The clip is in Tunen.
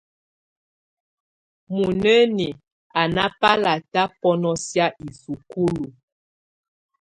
Muinǝ́ni á ná bálátá bɔ́nɔsɛ̀á isukulu.